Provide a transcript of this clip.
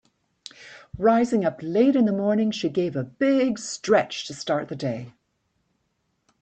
Rising up late in the morning she gave a big stretch to start the day.